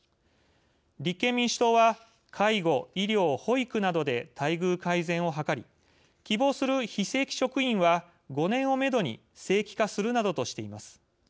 「立憲民主党」は介護・医療・保育などで待遇改善を図り希望する非正規職員は５年をめどに正規化するなどとしています。